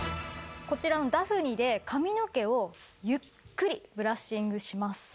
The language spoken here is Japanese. こちらのダフニで髪の毛をゆっくりブラッシングします。